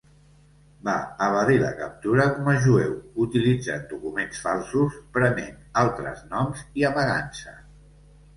Va evadir la captura com a jueu utilitzant documents falsos, prenent altres noms i amagant-se.